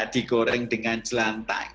dikoreng dengan jelantai